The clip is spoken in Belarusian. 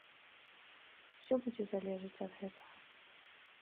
Усё будзе залежаць ад гэтага.